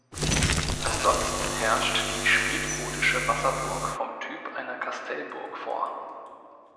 Ansonsten herrscht die spätgotische Wasserburg vom Typ einer Kastellburg vor.